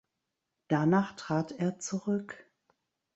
Danach trat er zurück.